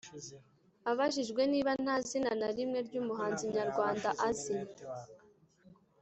Abajijwe niba nta zina na rimwe ry’umuhanzi nyarwanda azi